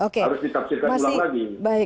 harus ditapsirkan ulang lagi